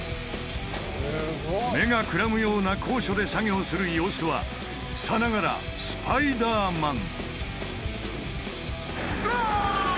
目がくらむような高所で作業する様子はさながらスパイダーマン！